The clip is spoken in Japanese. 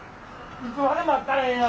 いつまで待ったらええんや！